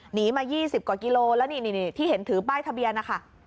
หนีมา๒๐กว่ากิโลแล้วนี่ที่เห็นถือป้ายทะเบียนนะคะ